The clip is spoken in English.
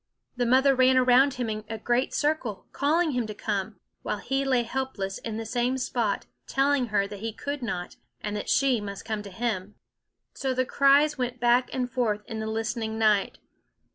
The mother ran around him in a great circle, calling him to come; while he lay helpless in the same spot, telling her he could not, and that she must come to him. So the cries went back and forth in the listening night.